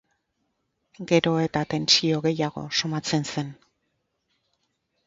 Gero eta tentsio gehiago somatzen zen.